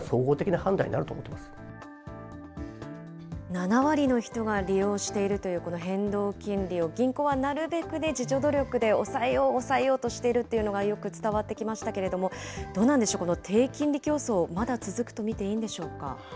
７割の人が利用しているというこの変動金利を、銀行はなるべく自助努力で抑えよう、抑えようとしているというのがよく伝わってきましたけれども、どうなんでしょう、この低金利競争、まだ続くと見ていいんでしょうか。